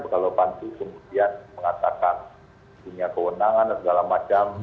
kalau pansus kemudian mengatakan punya kewenangan dan segala macam